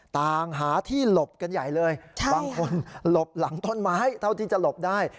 ต่างหาที่หลบกันใหญ่เลยบางคนหลบหลังต้นไม้เท่าที่จะหลบได้